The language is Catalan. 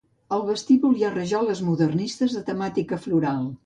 Al vestíbul hi ha rajoles modernistes de temàtica floral.